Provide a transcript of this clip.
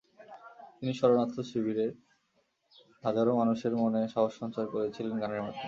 তিনি শরণার্থী শিবিরের হাজারো মানুষের মনে সাহস সঞ্চার করেছিলেন গানের মাধ্যমে।